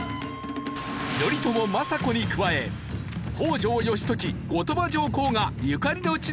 頼朝政子に加え北条義時後鳥羽上皇がゆかりの地でロケ。